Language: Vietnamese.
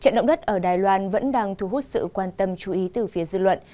trận động đất ở đài loan vẫn đang thu hút sự quan tâm chú ý từ phía dư luận